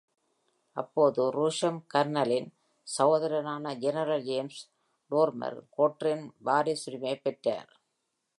அப்போது ரூஷம், கர்னலின் சகோதரரான general James டோர்மர்-கோட்ரெரின் வாரிசுரிமையைப் பெற்றார்.